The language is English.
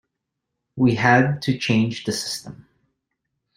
We had to change the system.